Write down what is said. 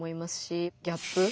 ギャップ？